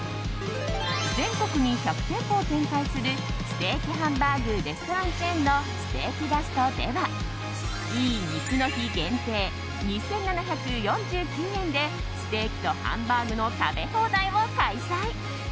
全国に１００店舗を展開するステーキハンバーグレストランチェーンのステーキガストではいい肉の日限定、２７４９円でステーキとハンバーグの食べ放題を開催。